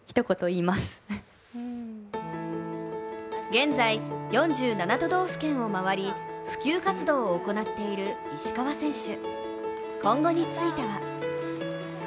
現在、４７都道府県を回り普及活動を行っている石川選手。